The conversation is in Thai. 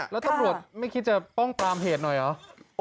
แล้วตำรวจไม่คิดจะป้องปรามเหตุหน่อยเหรอ